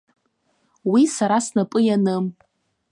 Уи сара снапы ианым.